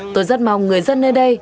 tôi rất mong người dân nơi đây